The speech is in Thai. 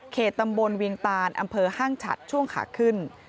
ตำบลเวียงตานอำเภอห้างฉัดช่วงขาขึ้น